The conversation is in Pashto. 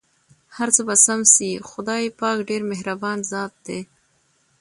هرڅه به سم شې٬ خدای پاک ډېر مهربان ذات دی.